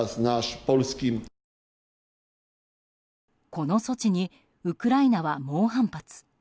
この措置にウクライナは猛反発。